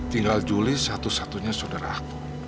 tinggal juli satu satunya sodara aku